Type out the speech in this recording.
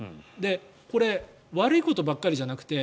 これ、悪いことばかりじゃなくて